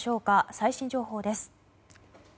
最新情報です。